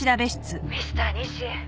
ミスター西」